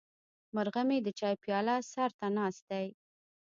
مرغه مې د چای پیاله سر ته ناست دی.